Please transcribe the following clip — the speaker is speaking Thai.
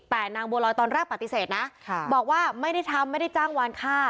แต่นางบัวลอยตอนแรกปฏิเสธนะบอกว่าไม่ได้ทำไม่ได้จ้างวานค่า